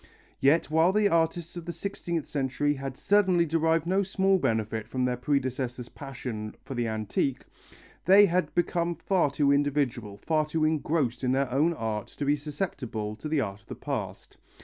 Yet while the artists of the sixteenth century had certainly derived no small benefit from their predecessors' passion for the antique, they had become far too individual, far too engrossed in their own art to be susceptible to the art of the past.